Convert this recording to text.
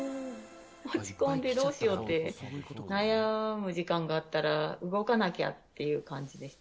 落ち込んで、どうしようって悩む時間があったら、動かなきゃっていう感じです。